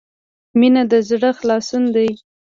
• مینه د زړۀ خلاصون دی.